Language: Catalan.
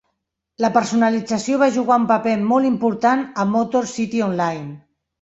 La personalització va jugar un paper molt important a Motor City Online.